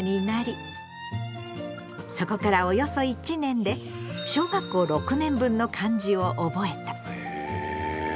そこからおよそ１年で小学校６年分の漢字を覚えた。